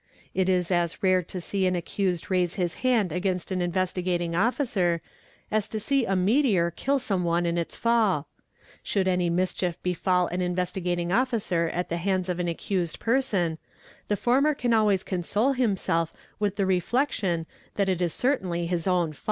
It is as rare to see an iecused raise his hand against an Investigating Officer, as to see a meteor all someone in its fall; should any mischief befall an Investigating Mficer at the hands of an accused person, the former can always Onsole himself with the reflection that it is certainly his own fault.